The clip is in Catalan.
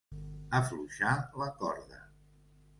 Afluixar la corda.